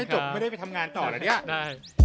ไม่จบไม่ได้ไปทำงานต่อละ